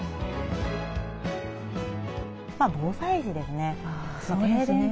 防災時ですね